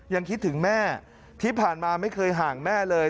คิดถึงแม่ที่ผ่านมาไม่เคยห่างแม่เลย